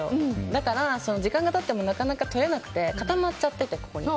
だから時間が経っても溶けなくて固まっちゃってて、ここに。